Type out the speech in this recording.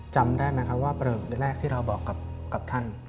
จำได้ไหมครับว่าเปลือกแรกที่เราบอกกับท่าน